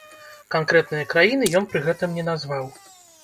Канкрэтныя краіны ён пры гэтым не назваў.